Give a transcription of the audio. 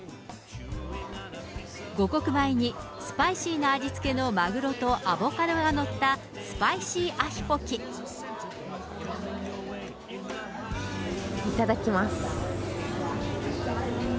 五穀米にスパイシーな味付けのマグロとアボカドが載ったスパイシいただきます。